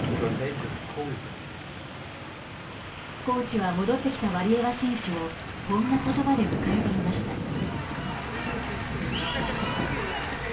コーチは戻ってきたワリエワ選手をこんな言葉で迎えていました。